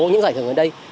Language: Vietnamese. những giải thưởng gần đây